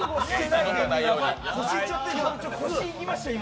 腰いきました、今。